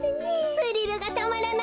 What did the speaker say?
スリルがたまらないわべ。